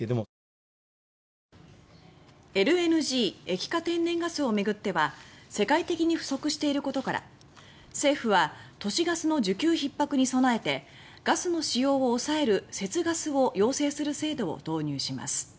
ＬＮＧ・液化天然ガスを巡っては世界的に不足していることから政府は、都市ガスの需給ひっ迫に備えてガスの使用を抑える「節ガス」を要請する制度を導入します。